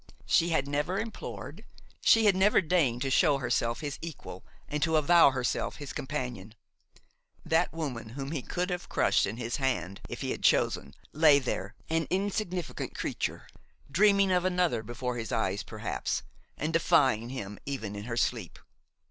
She had never implored, she had never deigned to show herself his equal and to avow herself his companion. That woman, whom he could have crushed in his hand if he had chosen, lay there, an insignificant creature, dreaming of another before his eyes, perhaps, and defying him even in her sleep.